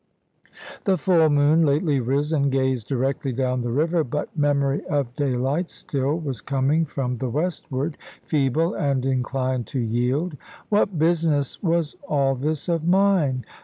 The full moon, lately risen, gazed directly down the river; but memory of daylight still was coming from the westward, feeble, and inclined to yield. What business was all this of mine?